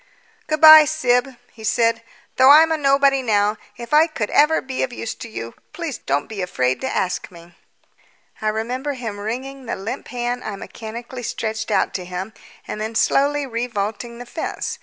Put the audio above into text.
"Good bye, Syb," he said; "though I'm a nobody now, if I could ever be of use to you, don't be afraid to ask me." I remember him wringing the limp hand I mechanically stretched out to him and then slowly revaulting the fence.